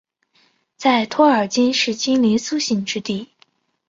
在托尔金是精灵苏醒之地。